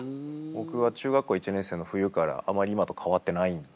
僕は中学校１年生の冬からあまり今と変わってないんですけど。